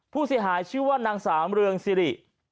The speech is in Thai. ผู้เสียหายชื่อว่านางสามเรืองสิริ